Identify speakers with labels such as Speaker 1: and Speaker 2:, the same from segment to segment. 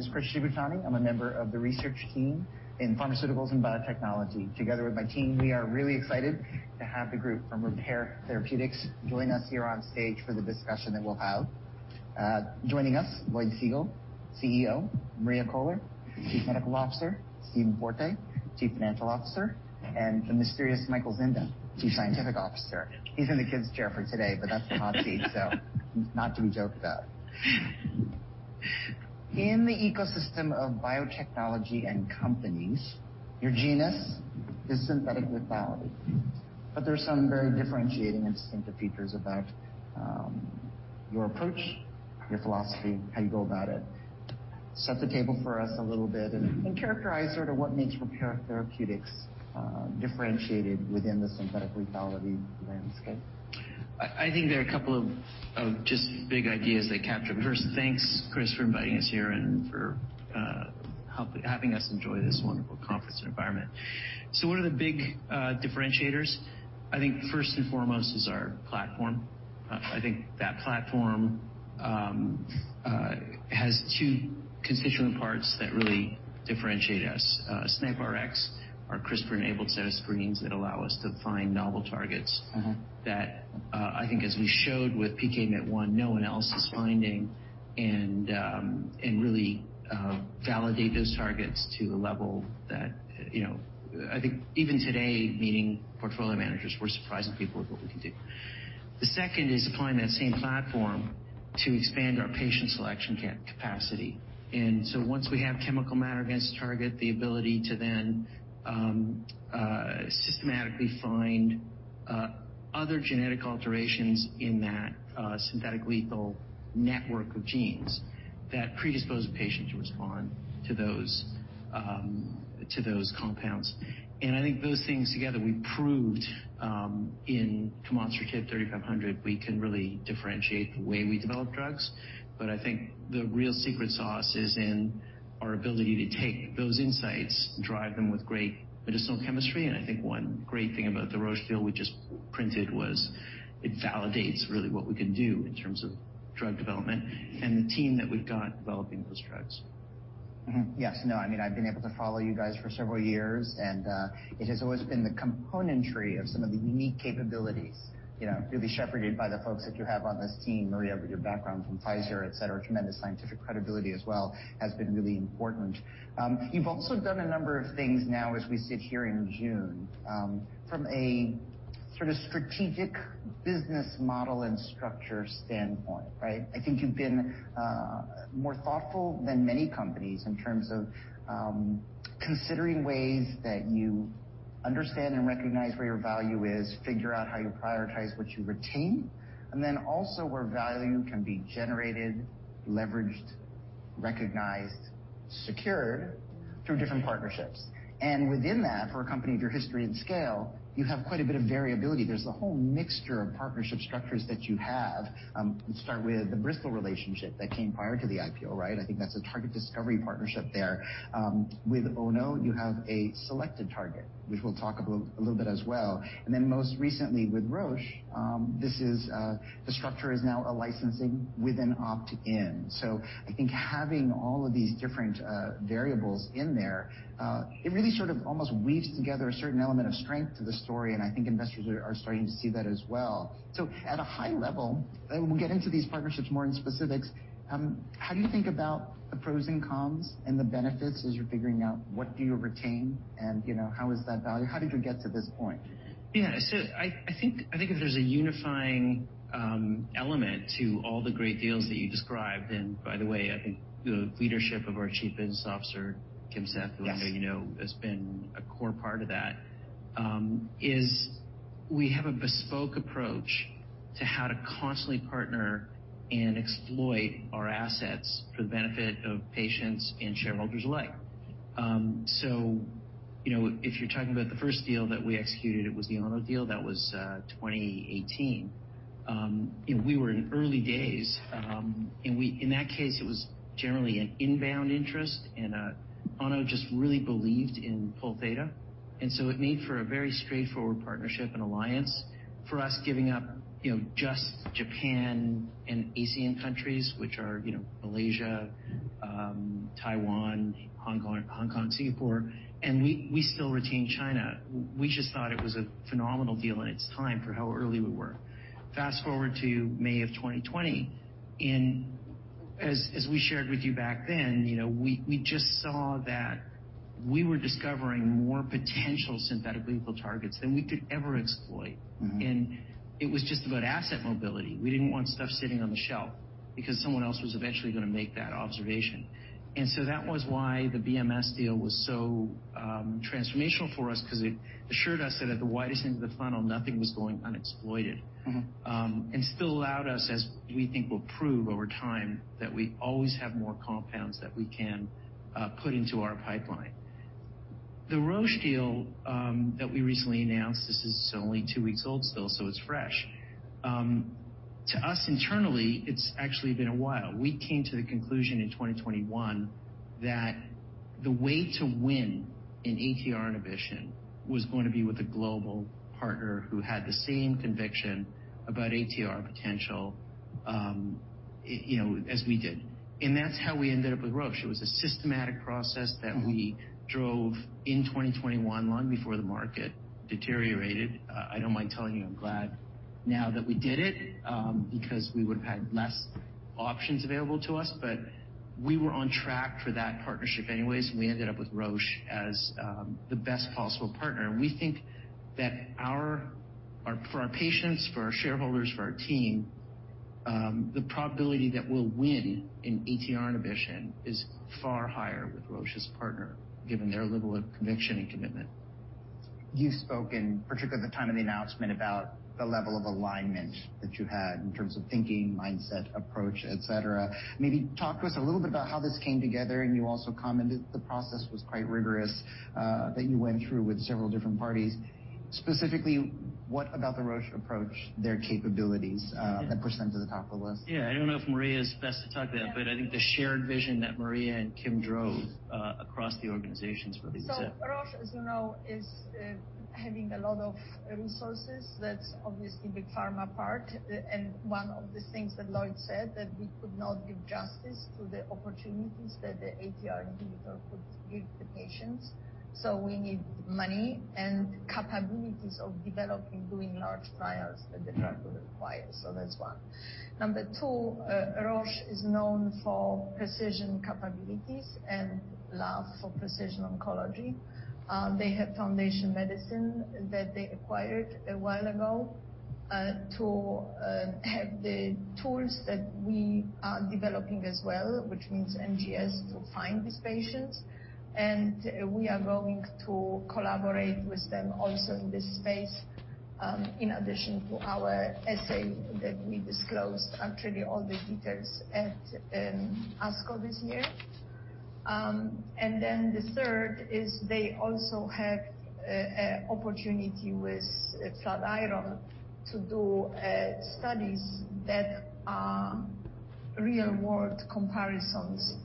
Speaker 1: My name is Chris Shibutani. I'm a member of the research team in pharmaceuticals and biotechnology. Together with my team, we are really excited to have the group from Repare Therapeutics join us here on stage for the discussion that we'll have. Joining us, Lloyd Segal, CEO, Maria Koehler, Chief Medical Officer, Steve Forte, Chief Financial Officer, and the mysterious Michael Zinda, Chief Scientific Officer. He's in the kid's chair for today, but that's the hot seat, so not to be joked about. In the ecosystem of biotechnology and companies, your genus is synthetic lethality. There are some very differentiating and distinctive features about, your approach, your philosophy, how you go about it. Set the table for us a little bit and characterize sort of what makes Repare Therapeutics, differentiated within the synthetic lethality landscape.
Speaker 2: I think there are a couple of just big ideas that capture. First, thanks, Chris, for inviting us here and for helping us enjoy this wonderful conference and environment. What are the big differentiators? I think first and foremost is our platform. I think that platform has two constituent parts that really differentiate us. SNIPRx, our CRISPR-enabled set of screens that allow us to find novel targets. That I think as we showed with PKMYT1, no one else is finding and really validate those targets to the level that, you know. I think even today, meeting portfolio managers, we're surprising people with what we can do. The second is applying that same platform to expand our patient selection capacity. Once we have chemical matter against target, the ability to then systematically find other genetic alterations in that synthetic lethal network of genes that predispose a patient to respond to those compounds. I think those things together, we proved in camonsertib RP-3500, we can really differentiate the way we develop drugs. I think the real secret sauce is in our ability to take those insights, drive them with great medicinal chemistry, and I think one great thing about the Roche deal we just printed was it validates really what we can do in terms of drug development and the team that we've got developing those drugs.
Speaker 1: I mean, I've been able to follow you guys for several years, and it has always been the complementarity of some of the unique capabilities, you know, really shepherded by the folks that you have on this team. Maria, with your background from Pfizer, et cetera, tremendous scientific credibility as well, has been really important. You've also done a number of things now as we sit here in June, from a sort of strategic business model and structure standpoint, right? I think you've been more thoughtful than many companies in terms of considering ways that you understand and recognize where your value is, figure out how you prioritize what you retain, and then also where value can be generated, leveraged, recognized, secured through different partnerships. Within that, for a company of your history and scale, you have quite a bit of variability. There's a whole mixture of partnership structures that you have. Let's start with the Bristol relationship that came prior to the IPO, right? I think that's a target discovery partnership there. With Ono, you have a selected target, which we'll talk about a little bit as well. Then most recently with Roche, this is, the structure is now a licensing with an opt-in. I think having all of these different, variables in there, it really sort of almost weaves together a certain element of strength to the story, and I think investors are starting to see that as well. At a high level, and we'll get into these partnerships more in specifics, how do you think about the pros and cons and the benefits as you're figuring out what do you retain and, you know, how is that value? How did you get to this point?
Speaker 2: Yeah. I think if there's a unifying element to all the great deals that you described, and by the way, I think the leadership of our Chief Business Officer, Kim Seth.
Speaker 1: Yes.
Speaker 2: Who I know you know has been a core part of that is we have a bespoke approach to how to constantly partner and exploit our assets for the benefit of patients and shareholders alike. You know, if you're talking about the first deal that we executed, it was the Ono deal. That was 2018. You know, we were in early days, and in that case, it was generally an inbound interest, and Ono just really believed in POLθ. It made for a very straightforward partnership and alliance for us giving up, you know, just Japan and ASEAN countries, which are, you know, Malaysia, Taiwan, Hong Kong, Singapore, and we still retain China. We just thought it was a phenomenal deal in its time for how early we were. Fast-forward to May of 2020, and as we shared with you back then, you know, we just saw that we were discovering more potential synthetic lethal targets than we could ever exploit. It was just about asset mobility. We didn't want stuff sitting on the shelf because someone else was eventually gonna make that observation. That was why the BMS deal was so transformational for us because it assured us that at the widest end of the funnel, nothing was going unexploited. Still allowed us, as we think we'll prove over time, that we always have more compounds that we can put into our pipeline. The Roche deal that we recently announced. This is only two weeks old still, so it's fresh. To us internally, it's actually been a while. We came to the conclusion in 2021. The way to win in ATR inhibition was going to be with a global partner who had the same conviction about ATR potential, you know, as we did. That's how we ended up with Roche. It was a systematic process that we drove in 2021, long before the market deteriorated. I don't mind telling you, I'm glad now that we did it, because we would have had less options available to us. We were on track for that partnership anyways, and we ended up with Roche as the best possible partner. We think that our, for our patients, for our shareholders, for our team, the probability that we'll win in ATR inhibition is far higher with Roche as partner, given their level of conviction and commitment.
Speaker 1: You've spoken, particularly at the time of the announcement, about the level of alignment that you had in terms of thinking, mindset, approach, et cetera. Maybe talk to us a little bit about how this came together, and you also commented the process was quite rigorous that you went through with several different parties. Specifically, what about the Roche approach, their capabilities?
Speaker 2: Yeah.
Speaker 1: That pushed them to the top of the list?
Speaker 2: Yeah. I don't know if Maria is best to talk to that.
Speaker 3: Yeah.
Speaker 2: I think the shared vision that Maria and Kim drove across the organization is really.
Speaker 3: Roche, as you know, is having a lot of resources. That's obviously big pharma partner. One of the things that Lloyd said, that we could not give justice to the opportunities that the ATR inhibitor could give the patients. We need money and capabilities of developing, doing large trials that the drug would require. That's one. Number two, Roche is known for precision capabilities and love for precision oncology. They have Foundation Medicine that they acquired a while ago, to have the tools that we are developing as well, which means NGS to find these patients. We are going to collaborate with them also in this space, in addition to our assay that we disclosed actually all the details at ASCO this year. The third is they also have a opportunity with Flatiron to do studies that are real-world comparisons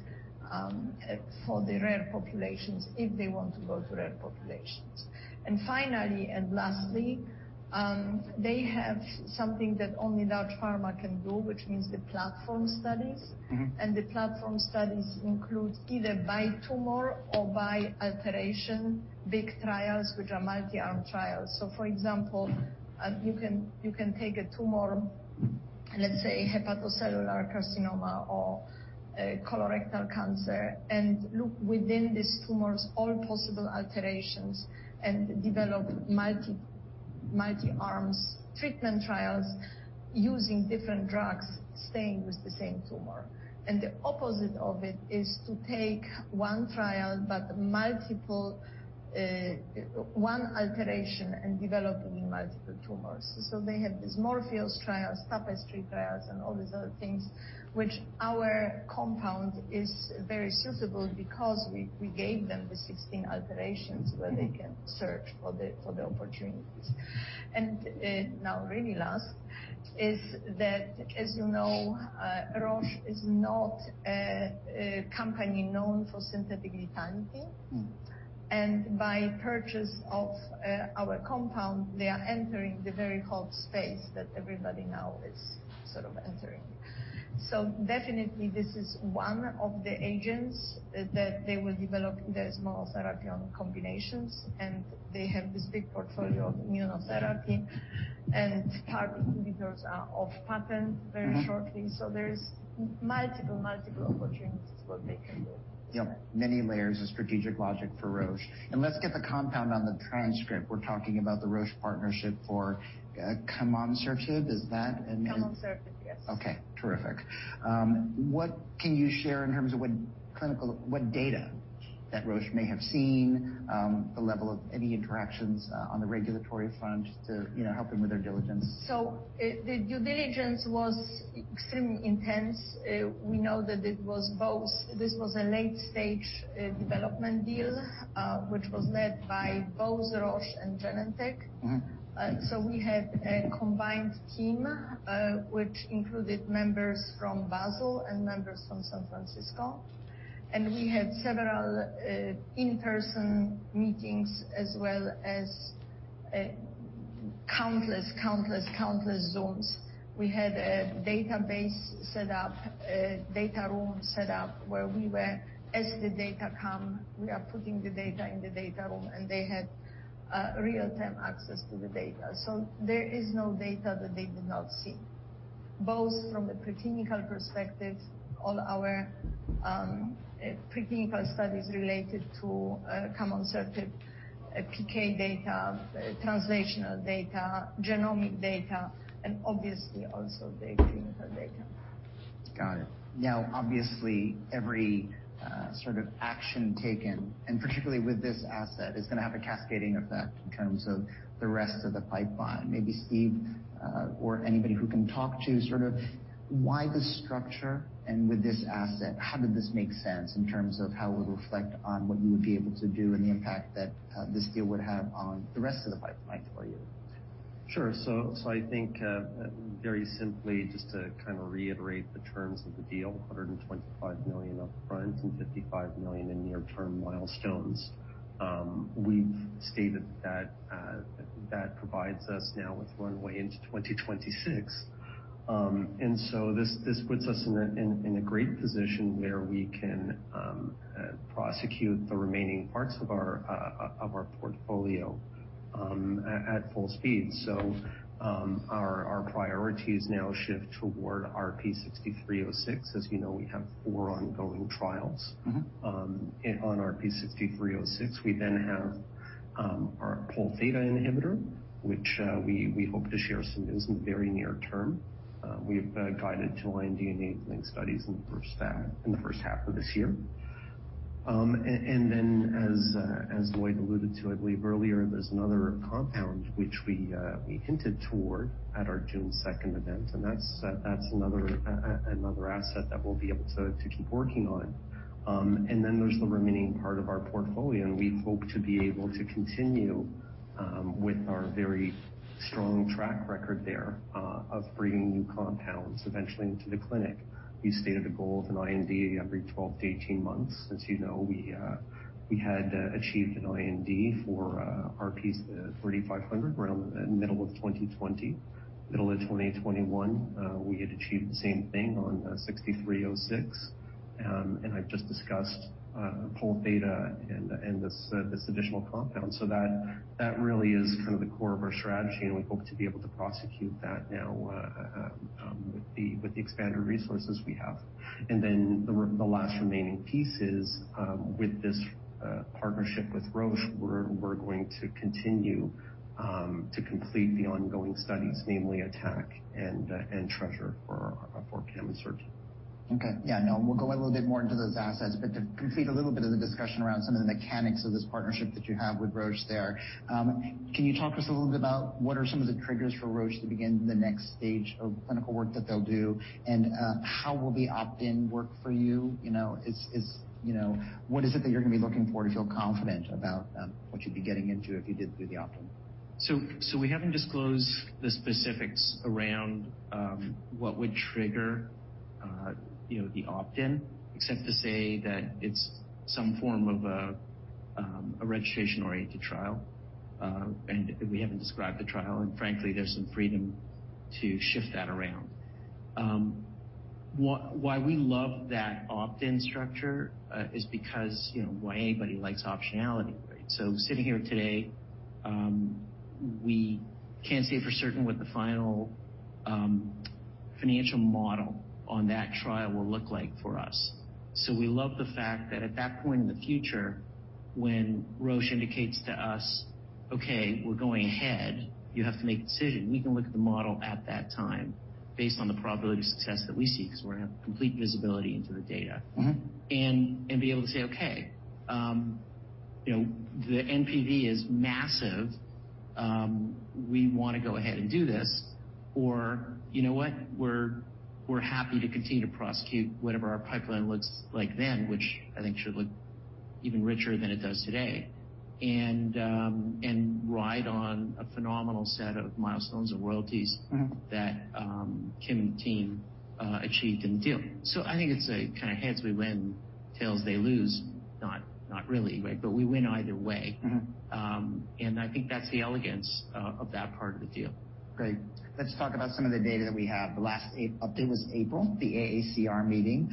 Speaker 3: for the rare populations, if they want to go to rare populations. Finally, and lastly, they have something that only large pharma can do, which means the platform studies. The platform studies include either by tumor or by alteration, big trials, which are multi-arm trials. For example, you can take a tumor, let's say hepatocellular carcinoma or colorectal cancer, and look within these tumors all possible alterations and develop multi-arm treatment trials using different drugs, staying with the same tumor. The opposite of it is to take one alteration and develop it in multiple tumors. They have these Morpheus trials, TAPISTRY trials, and all these other things which our compound is very suitable because we gave them the 16 alterations. Where they can search for the opportunities. Now really last is that, as you know, Roche is not a company known for synthetic lethality. By purchase of our compound, they are entering the very hot space that everybody now is sort of entering. Definitely this is one of the agents that they will develop either as monotherapy or combinations, and they have this big portfolio. Of immunotherapy and targeted inhibitors are off patent very shortly. There's multiple opportunities what they can do.
Speaker 1: Yep. Many layers of strategic logic for Roche. Let's get the compound on the transcript. We're talking about the Roche partnership for camonsertib. Is that an.
Speaker 3: Camonsertib, yes.
Speaker 1: Okay, terrific. What can you share in terms of what clinical data that Roche may have seen, the level of any interactions on the regulatory front just to, you know, help them with their diligence?
Speaker 3: The due diligence was extremely intense. We know that it was both. This was a late-stage development deal, which was led by both Roche and Genentech. We had a combined team, which included members from Basel and members from San Francisco. We had several in-person meetings as well as countless zooms. We had a database set up, a data room set up where we were, as the data come, we are putting the data in the data room, and they had real-time access to the data. There is no data that they did not see, both from the preclinical perspective, all our preclinical studies related to camonsertib, PK data, translational data, genomic data, and obviously also the clinical data.
Speaker 1: Got it. Now, obviously every sort of action taken and particularly with this asset, is gonna have a cascading effect in terms of the rest of the pipeline. Maybe Steve or anybody who can talk to sort of why the structure and with this asset, how did this make sense in terms of how it would reflect on what you would be able to do and the impact that this deal would have on the rest of the pipeline for you?
Speaker 4: Sure. I think very simply, just to kind of reiterate the terms of the deal, $125 million up front and $55 million in near-term milestones. We've stated that provides us now with runway into 2026. This puts us in a great position where we can prosecute the remaining parts of our portfolio at full speed. Our priorities now shift toward RP-6306. As you know, we have four ongoing trials. On RP-6306. We then have our POLθ inhibitor, which we hope to share some news in the very near term. We've guided to IND-enabling studies in the first half of this year. Then as Lloyd Segal alluded to, I believe earlier, there's another compound which we hinted toward at our June 2nd, event, and that's another asset that we'll be able to keep working on. Then there's the remaining part of our portfolio, and we hope to be able to continue with our very strong track record there of bringing new compounds eventually into the clinic. We've stated a goal of an IND every 12-18 months. As you know, we had achieved an IND for RP-3500 around the middle of 2020. Middle of 2021, we had achieved the same thing on RP-6306. I've just discussed POLθ and this additional compound. That really is kind of the core of our strategy, and we hope to be able to prosecute that now with the expanded resources we have. The last remaining piece is with this partnership with Roche. We're going to continue to complete the ongoing studies, namely ATTACC and TRESR for chemo and surgery.
Speaker 1: Okay. Yeah, no, we'll go a little bit more into those assets. To complete a little bit of the discussion around some of the mechanics of this partnership that you have with Roche there, can you talk to us a little bit about what are some of the triggers for Roche to begin the next stage of clinical work that they'll do, and how will the opt-in work for you? You know, what is it that you're gonna be looking for to feel confident about what you'd be getting into if you did do the opt-in?
Speaker 4: We haven't disclosed the specifics around what would trigger the opt-in, except to say that it's some form of a registration or AD trial. We haven't described the trial, and frankly, there's some freedom to shift that around. Why we love that opt-in structure is because, you know, why anybody likes optionality, right? Sitting here today, we can't say for certain what the final financial model on that trial will look like for us. We love the fact that at that point in the future, when Roche indicates to us, "Okay, we're going ahead, you have to make a decision," we can look at the model at that time based on the probability of success that we see, 'cause we're gonna have complete visibility into the data. Be able to say, "Okay, you know, the NPV is massive. We wanna go ahead and do this." Or, "You know what? We're happy to continue to prosecute whatever our pipeline looks like then," which I think should look even richer than it does today, and ride on a phenomenal set of milestones and royalties. That Kim and the team, achieved in the deal. I think it's a kinda heads, we win, tails, they lose. Not really, right? We win either way. I think that's the elegance of that part of the deal.
Speaker 1: Great. Let's talk about some of the data that we have. The last update was April, the AACR meeting.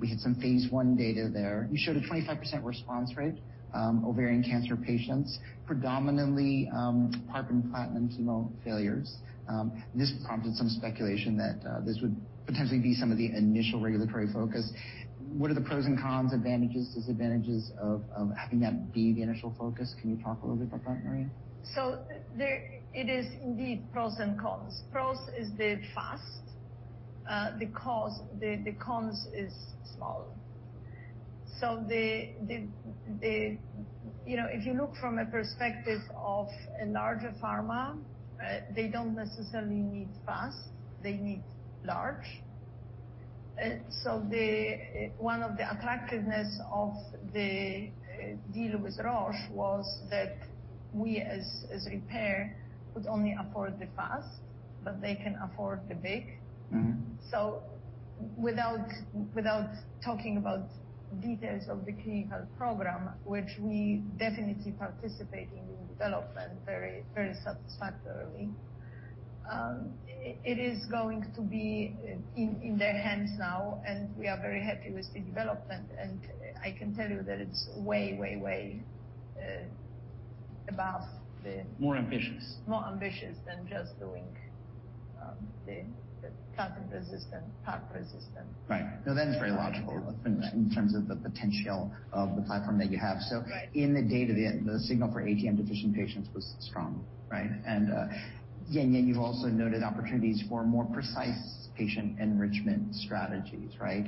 Speaker 1: We had some phase I data there. You showed a 25% response rate, ovarian cancer patients, predominantly, PARP and platinum chemo failures. This prompted some speculation that this would potentially be some of the initial regulatory focus. What are the pros and cons, advantages, disadvantages of having that be the initial focus? Can you talk a little bit about that, Maria?
Speaker 3: It is indeed pros and cons. Pros is the fast. The cons is small. You know, if you look from a perspective of a larger pharma, they don't necessarily need fast, they need large. One of the attractiveness of the deal with Roche was that we, as Repare, could only afford the fast, but they can afford the big. Without talking about details of the clinical program, which we definitely participate in development very satisfactorily, it is going to be in their hands now, and we are very happy with the development. I can tell you that it's way above the.
Speaker 4: More ambitious.
Speaker 3: More ambitious than just doing the platinum-resistant, PARP-resistant.
Speaker 1: Right. No, that is very logical in terms of the potential of the platform that you have.
Speaker 3: Right.
Speaker 1: In the data, the signal for ATM-deficient patients was strong, right? And you've also noted opportunities for more precise patient enrichment strategies, right?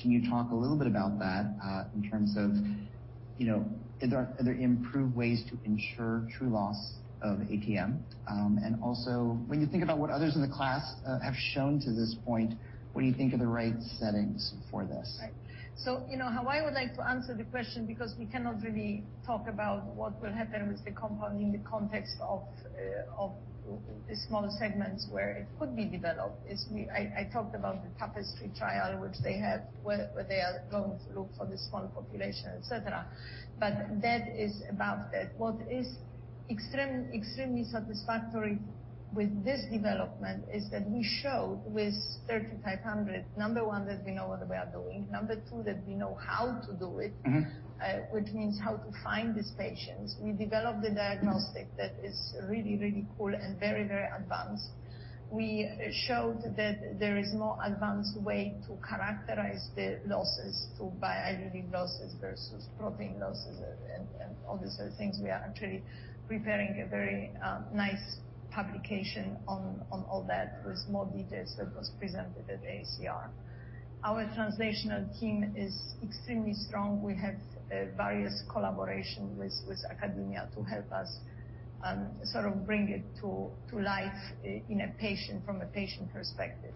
Speaker 1: Can you talk a little bit about that, in terms of you know, are there improved ways to ensure true loss of ATM? Also when you think about what others in the class have shown to this point, what do you think are the right settings for this?
Speaker 3: Right. You know, how I would like to answer the question, because we cannot really talk about what will happen with the compound in the context of of the smaller segments where it could be developed, is I talked about the TAPISTRY trial, which they have, where they are going to look for the small population, et cetera. But that is about that. What is extremely satisfactory with this development is that we showed with RP-3500, number one, that we know what we are doing. Number two, that we know how to do it. Which means how to find these patients. We developed a diagnostic that is really, really cool and very, very advanced. We showed that there is more advanced way to characterize the losses to biallelic losses versus protein losses and all these other things. We are actually preparing a very nice publication on all that with more details that was presented at AACR. Our translational team is extremely strong. We have various collaboration with academia to help us sort of bring it to life from a patient perspective.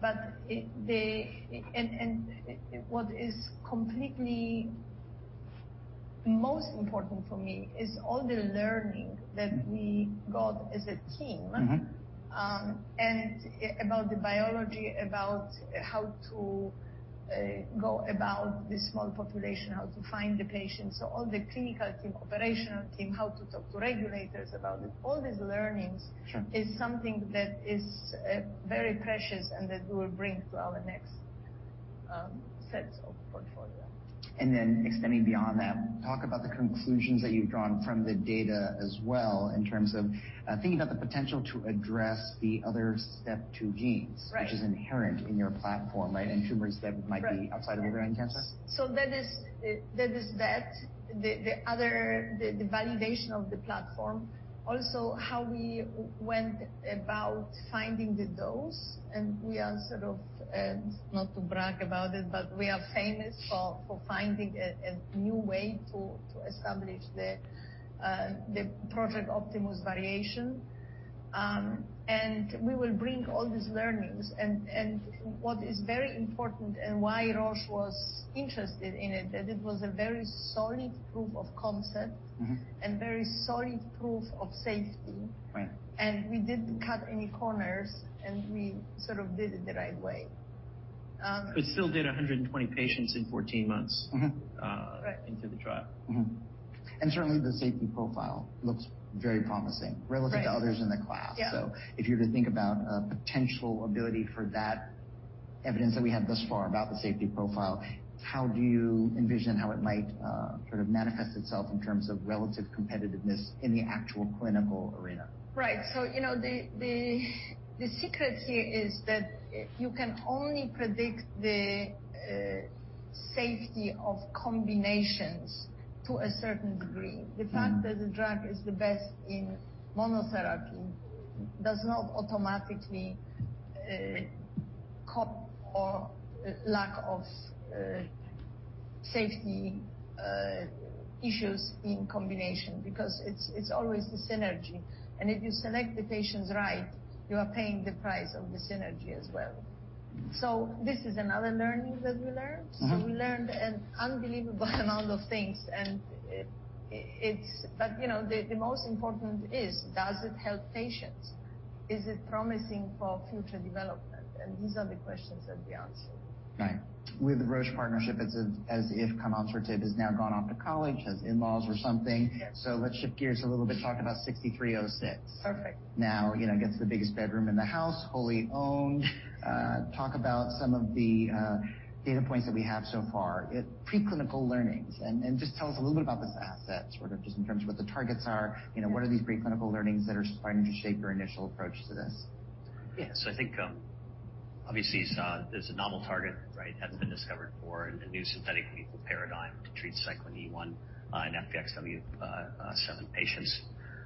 Speaker 3: What is completely most important for me is all the learning that we got as a team. About the biology, about how to go about the small population, how to find the patients. All the clinical team, operational team, how to talk to regulators about it, all these learnings.
Speaker 1: Sure.
Speaker 3: This is something that is very precious and that we will bring to our next sets of portfolio.
Speaker 1: Extending beyond that, talk about the conclusions that you've drawn from the data as well in terms of thinking about the potential to address the other step two genes.
Speaker 3: Right.
Speaker 1: Which is inherent in your platform, right? Tumors that might be outside of ovarian cancer.
Speaker 3: That is that. The other validation of the platform. Also how we went about finding the dose, and we are sort of not to brag about it, but we are famous for finding a new way to establish the Project Optimus variation. We will bring all these learnings and what is very important and why Roche was interested in it, that it was a very solid proof of concept. Very solid proof of safety.
Speaker 1: Right.
Speaker 3: We didn't cut any corners, and we sort of did it the right way.
Speaker 4: Still did 120 patients in 14 months.
Speaker 1: Uhuh.
Speaker 3: Right.
Speaker 4: Into the trial.
Speaker 1: Certainly, the safety profile looks very promising.
Speaker 3: Right.
Speaker 1: Relative to others in the class.
Speaker 3: Yeah.
Speaker 1: If you were to think about a potential ability for that evidence that we have thus far about the safety profile, how do you envision how it might, sort of manifest itself in terms of relative competitiveness in the actual clinical arena?
Speaker 3: Right. You know, the secret here is that you can only predict the safety of combinations to a certain degree. The fact that the drug is the best in monotherapy does not automatically cover for lack of safety issues in combination, because it's always the synergy. If you select the patients right, you are paying the price of the synergy as well. This is another learning that we learned. We learned an unbelievable amount of things. It's, you know, the most important is, does it help patients? Is it promising for future development? These are the questions that we answer.
Speaker 1: Right. With the Roche partnership, it's as if camonsertib has now gone off to college, has in-laws or something.
Speaker 3: Yes.
Speaker 1: Let's shift gears a little bit, talk about RP-6306.
Speaker 3: Perfect.
Speaker 1: Now, you know, it gets the biggest bedroom in the house, wholly owned. Talk about some of the data points that we have so far. Preclinical learnings, and just tell us a little bit about this asset, sort of just in terms of what the targets are. You know, what are these preclinical learnings that are starting to shape your initial approach to this?
Speaker 5: Yeah. I think, obviously, it's a novel target, right? That's been discovered for a new synthetic lethal paradigm to treat Cyclin E1 in FBXW7 patients.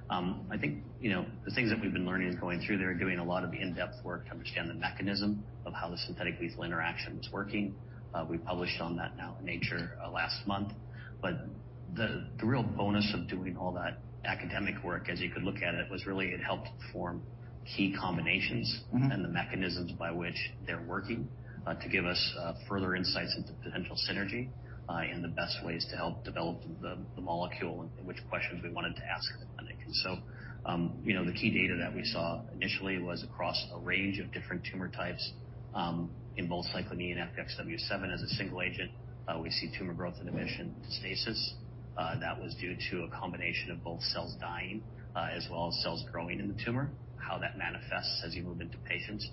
Speaker 5: I think, you know, the things that we've been learning going through there are doing a lot of the in-depth work to understand the mechanism of how the synthetic lethal interaction was working. We published on that now in nature last month. The real bonus of doing all that academic work, as you could look at it, was really it helped form key combinations. The mechanisms by which they're working to give us further insights into potential synergy and the best ways to help develop the molecule and which questions we wanted to ask in the clinic. You know, the key data that we saw initially was across a range of different tumor types in both Cyclin E1 and FBXW7 as a single agent. We see tumor growth inhibition stasis that was due to a combination of both cells dying as well as cells growing in the tumor. How that manifests as you move into patients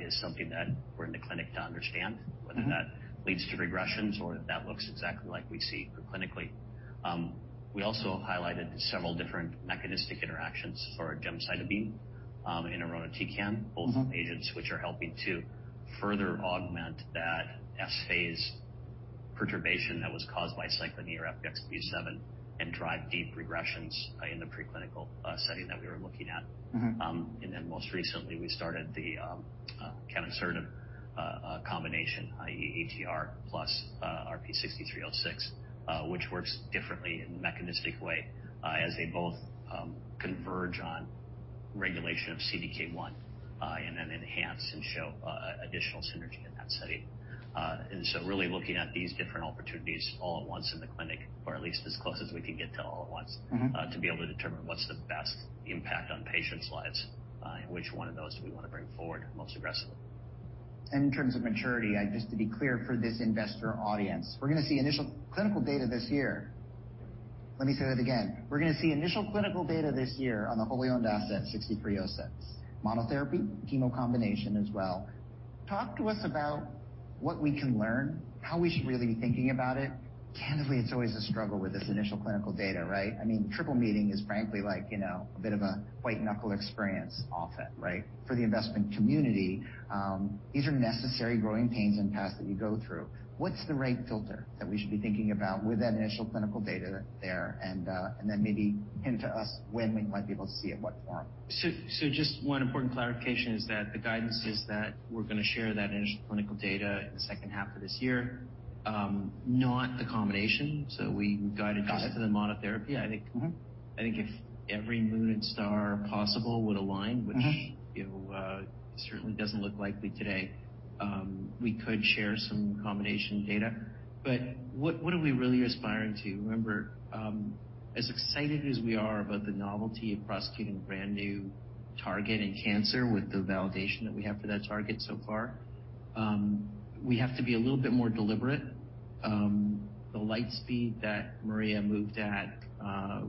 Speaker 5: is something that we're in the clinic to understand. Whether that leads to regressions or if that looks exactly like we see preclinically. We also highlighted several different mechanistic interactions for gemcitabine and irinotecan. Both agents which are helping to further augment that S phase perturbation that was caused by Cyclin E1 or FBXW7 and drive deep regressions in the preclinical setting that we were looking at most recently, we started the camonsertib combination, i.e., ATR plus RP-6306, which works differently in a mechanistic way, as they both converge on regulation of CDK1, and then enhance and show additional synergy in that study. Really looking at these different opportunities all at once in the clinic, or at least as close as we can get to all at once. To be able to determine what's the best impact on patients' lives, and which one of those do we want to bring forward most aggressively.
Speaker 1: In terms of maturity, just to be clear, for this investor audience, we're gonna see initial clinical data this year. Let me say that again. We're gonna see initial clinical data this year on the wholly owned asset RP-6306, monotherapy chemo combination as well. Talk to us about what we can learn, how we should really be thinking about it. Candidly, it's always a struggle with this initial clinical data, right? I mean, triple meeting is frankly like, you know, a bit of a white knuckle experience often, right? For the investment community, these are necessary growing pains and paths that we go through. What's the right filter that we should be thinking about with that initial clinical data there? Then maybe hint to us when we might be able to see it, what form?
Speaker 2: Just one important clarification is that the guidance is that we're gonna share that initial clinical data in the second half of this year, not the combination. We guided just to the monotherapy. I think. I think if every moon and star possible would align. Which, you know, certainly doesn't look likely today. We could share some combination data. What are we really aspiring to? Remember, as excited as we are about the novelty of prosecuting a brand new target in cancer with the validation that we have for that target so far, we have to be a little bit more deliberate. The light speed that Maria moved at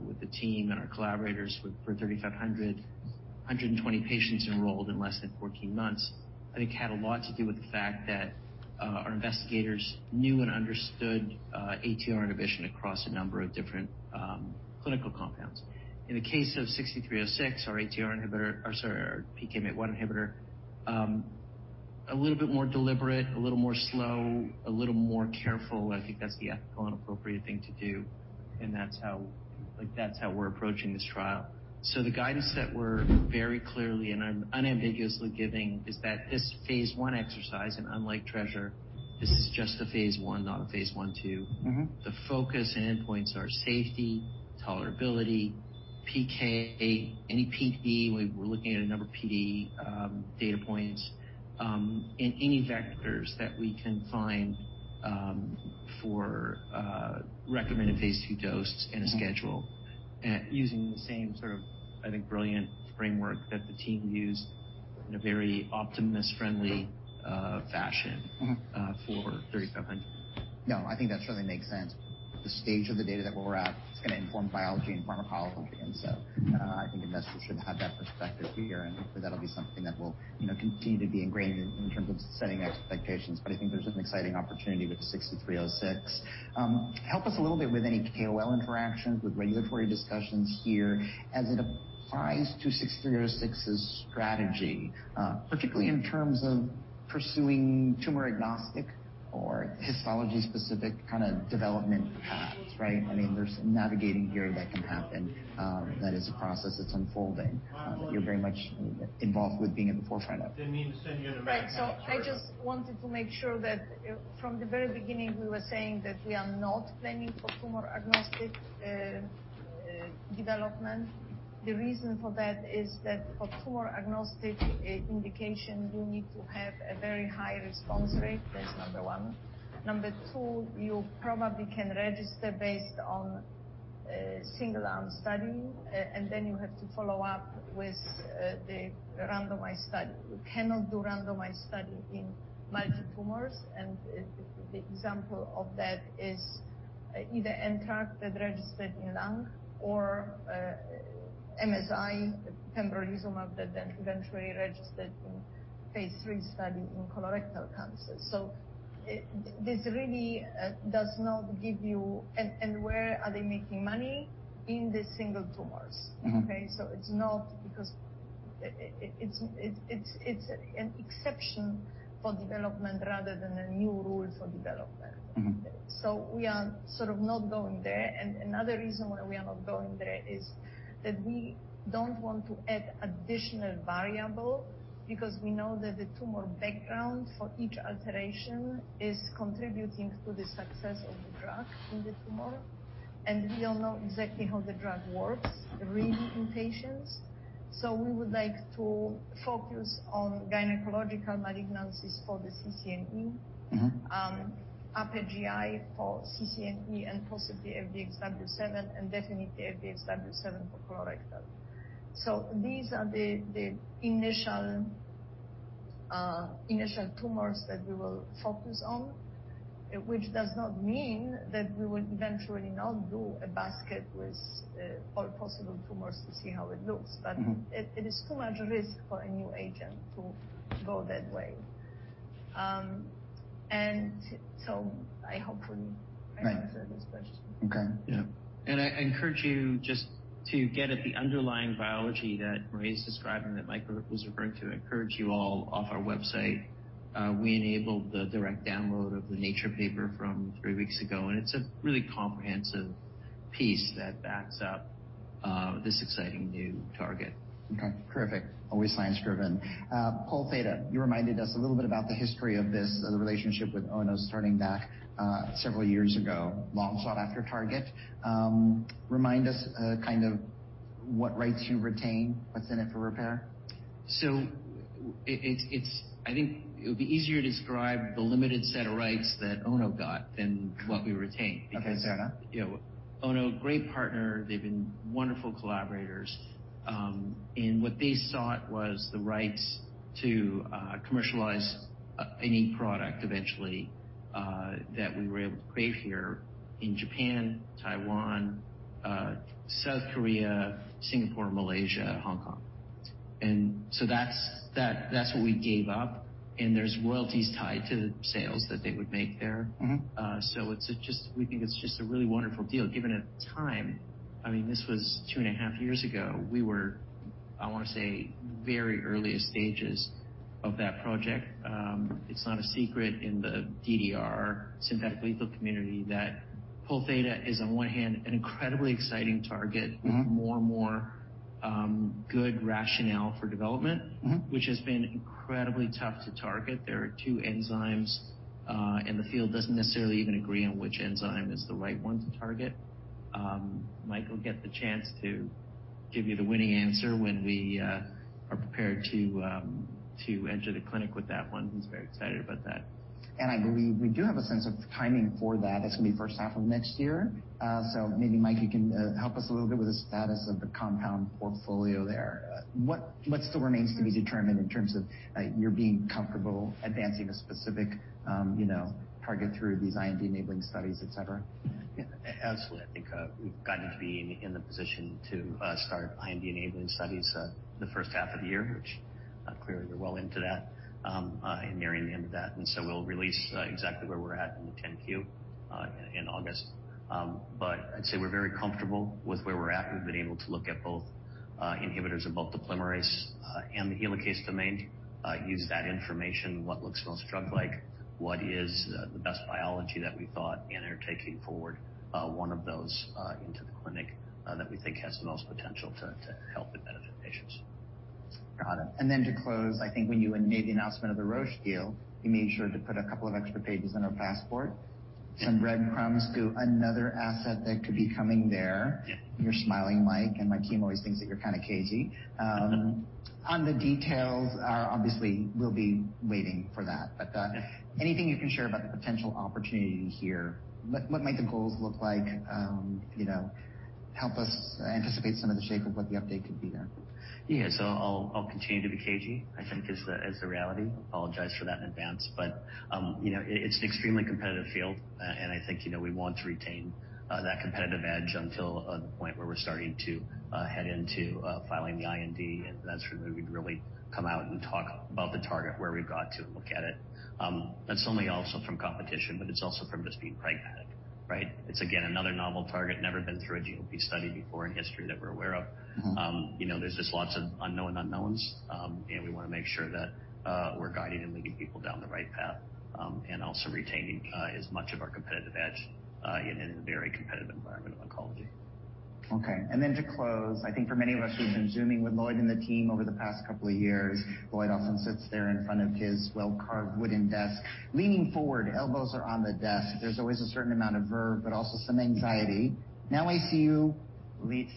Speaker 2: with the team and our collaborators with RP-3500, 120 patients enrolled in less than 14 months, I think had a lot to do with the fact that our investigators knew and understood ATR inhibition across a number of different clinical compounds. In the case of RP-6306, our ATR inhibitor or sorry, our PKMYT1 inhibitor, a little bit more deliberate, a little more slow, a little more careful. I think that's the ethical and appropriate thing to do, and that's how, like, that's how we're approaching this trial. The guidance that we're very clearly and I'm unambiguously giving is that this phase I exercise, and unlike TRESR, this is just a phase I, not a phase I/II. The focus and endpoints are safety, tolerability, PK, any PD. We're looking at a number of PD data points, and any factors that we can find for recommended phase II dose and a schedule. Using the same sort of, I think, brilliant framework that the team used in a very optimistic, friendly fashion. Uh, for RP-3500.
Speaker 1: No, I think that certainly makes sense. The stage of the data that we're at, it's gonna inform biology and pharmacology. I think investors should have that perspective here, and hopefully that'll be something that will, you know, continue to be ingrained in terms of setting expectations. I think there's an exciting opportunity with RP-6306. Help us a little bit with any KOL interactions with regulatory discussions here as it applies to RP-6306's strategy, particularly in terms of pursuing tumor agnostic or histology specific kind of development paths, right? I mean, there's some navigating here that can happen, that is a process that's unfolding, that you're very much involved with being at the forefront of?
Speaker 3: Right. I just wanted to make sure that from the very beginning, we were saying that we are not planning for tumor-agnostic development. The reason for that is that for tumor-agnostic indication, you need to have a very high response rate. That's number one. Number two, you probably can register based on single-arm study, and then you have to follow up with the randomized study. You cannot do randomized study in multi-tumor. The example of that is either entrectinib that registered in lung or MSI pembrolizumab that then eventually registered in phase III study in colorectal cancer. This really does not give you. Where are they making money? In the single tumors. Okay? It's not because it's an exception for development rather than a new rule for development. We are sort of not going there. Another reason why we are not going there is that we don't want to add additional variable, because we know that the tumor background for each alteration is contributing to the success of the drug in the tumor, and we all know exactly how the drug works, really, in patients. We would like to focus on gynecological malignancies for the CCNE. Upper GI for CCNE and possibly FBXW7 and definitely FBXW7 for colorectal. These are the initial tumors that we will focus on, which does not mean that we would eventually not do a basket with all possible tumors to see how it looks. It is too much risk for a new agent to go that way.
Speaker 1: Right.
Speaker 3: I answered this question.
Speaker 1: Okay.
Speaker 2: I encourage you just to get at the underlying biology that Maria's describing, that Mike was referring to. I encourage you all off our website. We enabled the direct download of the Nature paper from three weeks ago, and it's a really comprehensive piece that backs up this exciting new target.
Speaker 1: Okay. Terrific. Always science driven. POLθ, you reminded us a little bit about the history of this, the relationship with Ono starting back, several years ago. Long sought after target. Remind us what rights you retain, what's in it for Repare?
Speaker 2: It's, I think it would be easier to describe the limited set of rights that Ono got than what we retained.
Speaker 1: Okay, fair enough.
Speaker 2: You know, Ono, great partner. They've been wonderful collaborators. What they sought was the rights to commercialize any product eventually that we were able to create here in Japan, Taiwan, South Korea, Singapore, Malaysia, Hong Kong. That's what we gave up. There's royalties tied to the sales that they would make there. We think it's just a really wonderful deal given at the time. I mean, this was 2.5 years ago. We were, I wanna say, very earliest stages of that project. It's not a secret in the DDR synthetic lethal community that POLθ is on one hand an incredibly exciting target with more and more good rationale for development which has been incredibly tough to target. There are two enzymes, and the field doesn't necessarily even agree on which enzyme is the right one to target. Mike will get the chance to give you the winning answer when we are prepared to enter the clinic with that one. He's very excited about that.
Speaker 1: I believe we do have a sense of timing for that. That's gonna be first half of next year. Maybe, Mike, you can help us a little bit with the status of the compound portfolio there. What still remains to be determined in terms of your being comfortable advancing a specific, you know, target through these IND-enabling studies, et cetera?
Speaker 5: Yeah. Absolutely. I think we've gotten to be in the position to start IND-enabling studies the first half of the year, which clearly we're well into that and nearing the end of that. We'll release exactly where we're at in the 10-Q in August. I'd say we're very comfortable with where we're at. We've been able to look at both inhibitors of both the polymerase and the helicase domain, use that information, what looks most drug-like, what is the best biology that we thought and are taking forward one of those into the clinic that we think has the most potential to help and benefit patients.
Speaker 1: Got it. To close, I think when you made the announcement of the Roche deal, you made sure to put a couple of extra pages in our passport.
Speaker 5: Yeah.
Speaker 1: Some breadcrumbs to another asset that could be coming there.
Speaker 5: Yeah.
Speaker 1: You're smiling, Mike, and my team always thinks that you're kinda cagey. On the details, obviously we'll be waiting for that.
Speaker 5: Yeah.
Speaker 1: Anything you can share about the potential opportunity here? What might the goals look like? You know, help us anticipate some of the shape of what the update could be there?
Speaker 5: Yeah. I'll continue to be cagey, I think is the reality. Apologize for that in advance. You know, it's an extremely competitive field. I think, you know, we want to retain that competitive edge until the point where we're starting to head into filing the IND. That's when we'd really come out and talk about the target, where we've got to look at it. That's not only from competition, but it's also from just being pragmatic, right? It's again, another novel target. Never been through a GLP study before in history that we're aware of. You know, there's just lots of unknown unknowns. We wanna make sure that we're guiding and leading people down the right path, and also retaining as much of our competitive edge in a very competitive environment of oncology.
Speaker 1: Okay. To close, I think for many of us who've been zooming with Lloyd and the team over the past couple of years, Lloyd often sits there in front of his well-carved wooden desk, leaning forward, elbows are on the desk. There's always a certain amount of verve but also some anxiety. Now I see you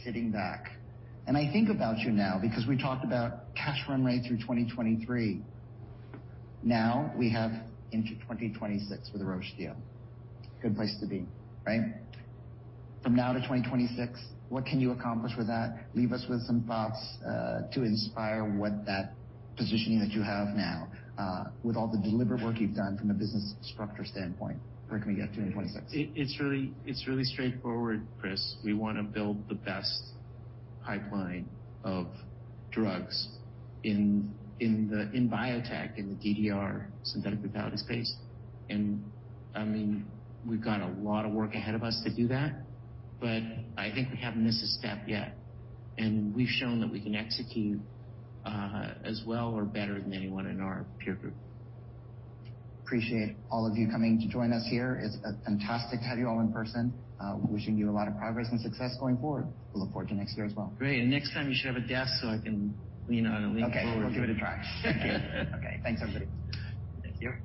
Speaker 1: sitting back. I think about you now because we talked about cash run rate through 2023. Now we have into 2026 with the Roche deal. Good place to be, right? From now to 2026, what can you accomplish with that? Leave us with some thoughts to inspire what that positioning that you have now with all the deliberate work you've done from a business structure standpoint. Where can we get to in 2026?
Speaker 2: It's really straightforward, Chris. We wanna build the best pipeline of drugs in biotech in the DDR synthetic lethality space. I mean, we've got a lot of work ahead of us to do that, but I think we haven't missed a step yet, and we've shown that we can execute as well or better than anyone in our peer group.
Speaker 1: Appreciate all of you coming to join us here. It's fantastic to have you all in person. Wishing you a lot of progress and success going forward. We look forward to next year as well.
Speaker 2: Great. Next time you should have a desk so I can lean on it, lean forward.
Speaker 1: Okay. We'll give it a try. Okay, thanks, everybody.
Speaker 2: Thank you.